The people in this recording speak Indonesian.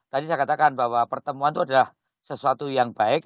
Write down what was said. tadi saya katakan bahwa pertemuan itu adalah sesuatu yang baik